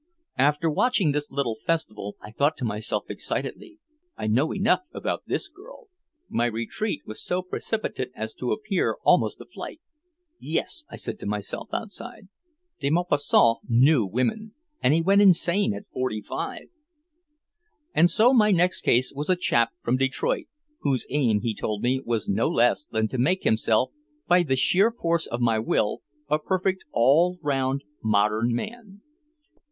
And watching this little festival, I thought to myself excitedly, "I know enough about this girl!" My retreat was so precipitate as to appear almost a flight. "Yes," I said to myself, outside, "De Maupassant knew women. And he went insane at forty five." And so my next case was a chap from Detroit, whose aim, he told me, was no less than to make himself "by the sheer force of my will a perfect, all round, modern man."